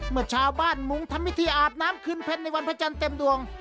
เมื่อชาวบ้านมุงทำวิธีอาบน้ำคืนเพชรในวันพระจันทร์เต็มดวง